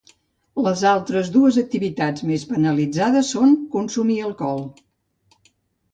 Les altres dues activitats més penalitzades són consumir alcohol.